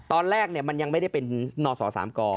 ตอนแรกเนี่ยมันยังไม่ได้เป็นนสศก